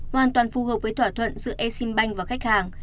hoàn toàn phù hợp với thỏa thuận giữa exim bank và khách hàng